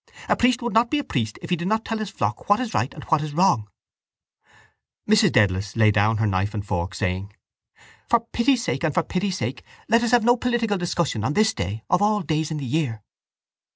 A priest would not be a priest if he did not tell his flock what is right and what is wrong. Mrs Dedalus laid down her knife and fork, saying: —For pity sake and for pity sake let us have no political discussion on this day of all days in the year.